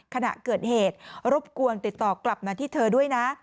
ขณะเกิดเหตุรบกวนติดต่อกลับมาที่เธอด้วยนะ